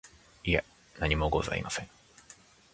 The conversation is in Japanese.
いえ、何もございません。